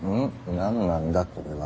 なんなんだこれは？